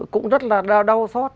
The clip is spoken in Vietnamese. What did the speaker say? cũng rất là đau xót